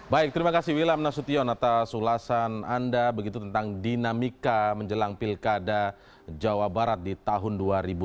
baik terima kasih wilam nasution atas ulasan anda begitu tentang dinamika menjelang pilkada jawa barat di tahun dua ribu delapan belas